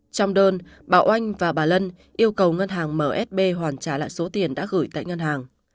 trong đơn bảo oanh và bà lân yêu cầu ngân hàng msb hoàn trả lại số tiền đã gửi tại ngân hàng